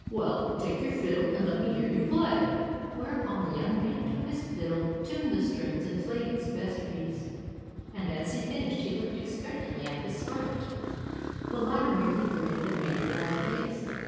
"Well, take your fiddle and let me hear you play." Whereupon the young man took his fiddle, tuned the strings, and played his best piece^ and as he finished, he looked expectantly at the sprite. The latter merely grinned and made a wry face.